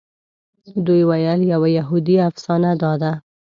دوی ویل یوه یهودي افسانه داده.